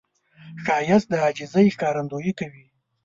ښایست د عاجزي ښکارندویي کوي